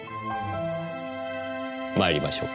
参りましょうか。